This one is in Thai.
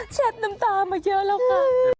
แชดน้ำตามาเยอะแล้วกัน